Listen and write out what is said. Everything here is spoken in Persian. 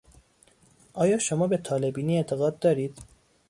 آیا شما به طالعبینی اعتقاد دارید؟